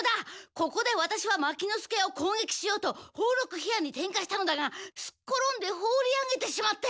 ここでワタシは牧之介をこうげきしようと宝禄火矢に点火したのだがすっ転んで放り上げてしまって。